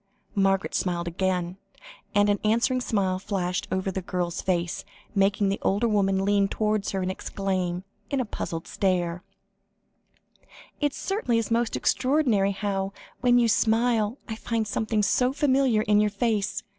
Margaret smiled again, and an answering smile flashed over the girl's face, making the older woman lean towards her, and exclaim, with a puzzled stare "It certainly is most extraordinary how, when you smile, I find something so familiar in your face.